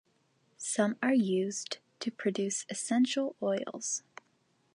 Some are used to produce essential oils.